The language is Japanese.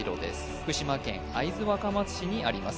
福島県会津若松市にあります